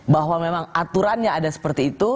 bahwa memang aturan yang ada seperti itu